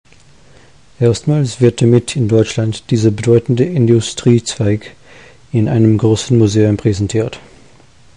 Erstmals wird damit in Deutschland dieser bedeutende Industriezweig in einem großen Museum präsentiert.